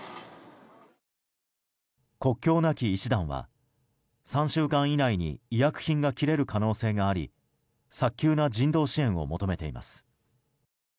国境なき医師団は、３週間以内に医薬品が切れる可能性があり早急な人道支援を求めています。